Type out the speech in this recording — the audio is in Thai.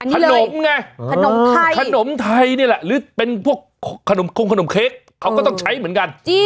ขนมไงขนมไทยหรือขนมเค้กเขาก็ต้องใช้เหมือนกัน